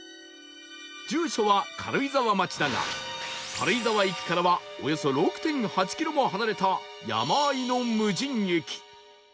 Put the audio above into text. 住所は軽井沢町だが軽井沢駅からはおよそ ６．８ キロも離れた山あいの無人駅